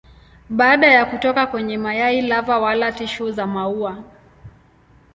Baada ya kutoka kwenye mayai lava wala tishu za maua.